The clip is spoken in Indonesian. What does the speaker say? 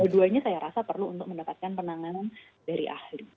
dua duanya saya rasa perlu untuk mendapatkan penanganan dari ahli